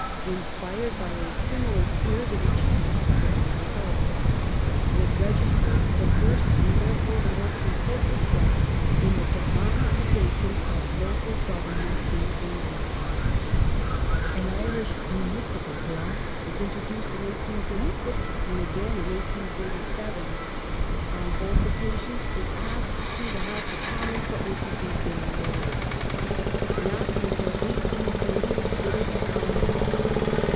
Inspired by a similar spirit it achieved similar results. It regis tered the first and therefore the most important step in the de mocratization of local Government in England. An Irish Municipal Bill was introduced in 1836 and again in 1837. On both occasions it passed through the House of Com mons; but was defeated in the Lords. Not until 1840 did it become law.